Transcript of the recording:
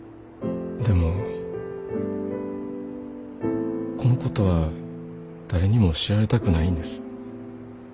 でもこのことは誰にも知られたくないんです。